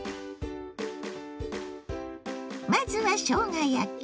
まずはしょうが焼き。